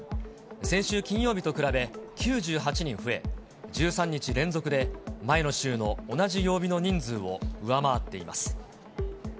先週金曜日と比べ、９８人増え、１３日連続で前の週の同じ曜日の人数を上回っています。